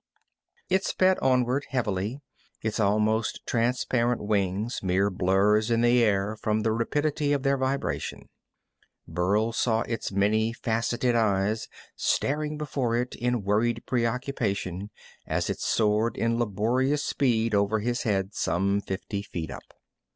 It sped onward, heavily, its almost transparent wings mere blurs in the air from the rapidity of their vibration. Burl saw its many faceted eyes staring before it in worried preoccupation as it soared in laborious speed over his head, some fifty feet up.